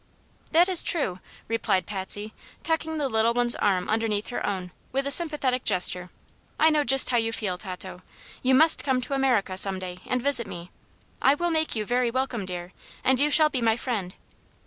"That is true," replied Patsy, tucking the little one's arm underneath her own, with a sympathetic gesture. "I know just how you feel, Tato. You must come to America some day, and visit me. I will make you very welcome, dear, and you shall be my friend."